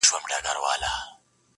راته ښکاري چي لرمه لا خبري د ویلو!.